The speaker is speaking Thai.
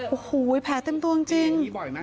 โอ้โหแผลเต็มตัวจริง